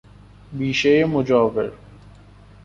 بیشهی مجاور